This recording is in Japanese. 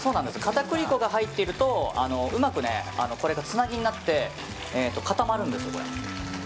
片栗粉が入っているとうまくこれがつなぎになって固まるんですよ。